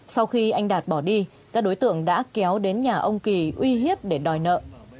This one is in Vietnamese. sau khi anh đạt bỏ đi các đối tượng đã kéo đến nhà ông kỳ uy hiếp để đòi nợ